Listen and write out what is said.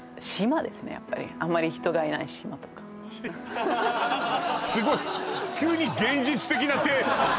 やっぱりあまり人がいない島とかしすごい急に現実的な提案